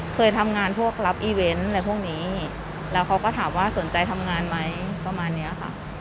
เคยทำงานพวกรับอีเวนต์อะไรพวกนี้แล้วเขาก็ถามว่าสนใจทำงานไหมประมาณเนี้ยค่ะ